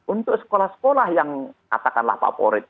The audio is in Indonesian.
untuk sekolah sekolah yang katakanlah favorit